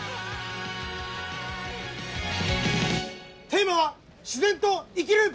テーマは自然と生きる！